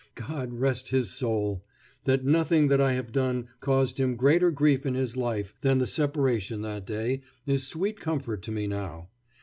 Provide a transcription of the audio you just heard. God rest his soul! That nothing that I have done caused him greater grief in his life than the separation that day is sweet comfort to me now.